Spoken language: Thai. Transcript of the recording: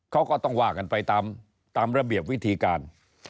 เขาก็ต้องว่ากันไปตามระเบียบวิธีการ